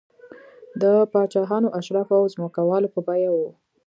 د پاچاهانو، اشرافو او ځمکوالو په بیه و